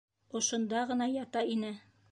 Ошонда ғына ята ине!